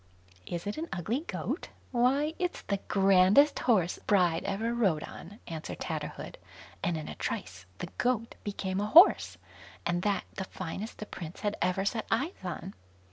"Is it an ugly goat? why, it's the grandest horse bride ever rode on", answered Tatterhood; and in a trice the goat became a horse, and that the finest the prince had ever set eyes on.